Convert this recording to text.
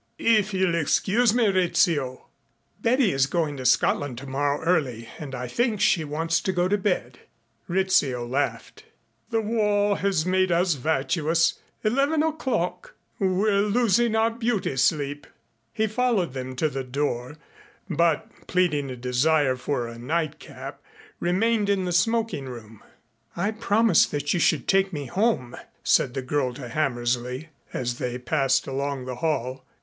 "If you'll excuse me, Rizzio " "Betty is going to Scotland tomorrow early and I think she wants to go to bed." Rizzio laughed. "The war has made us virtuous. Eleven o'clock! We're losing our beauty sleep." He followed them to the door, but pleading a desire for a night cap, remained in the smoking room. "I promised that you should take me home," said the girl to Hammersley as they passed along the hall.